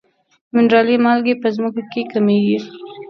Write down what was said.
منرالي مالګې په ځمکه کې کمیږي.